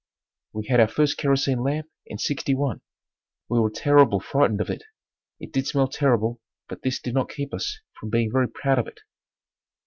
We had our first kerosene lamp in '61. We were terrible frightened of it. It did smell terrible but this did not keep us from being very proud of it.